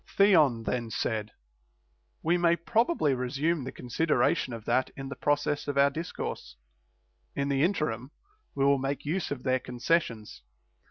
3. Theon then said : We may probably resume the con sideration of that in the process of our discourse ; in the interim we will make use of their concessions.